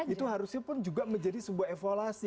itu harusnya pun juga menjadi sebuah evaluasi